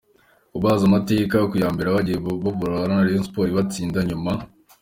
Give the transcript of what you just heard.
kubabaza amateka ya mbere uko bagiye bahura na Rayon Sports ikabatsinda, nyuma